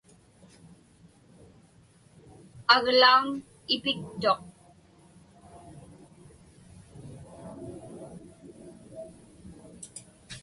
Aglaun ipiktuq.